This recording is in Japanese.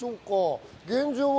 現状は。